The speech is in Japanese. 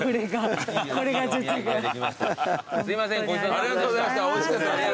ありがとうございます。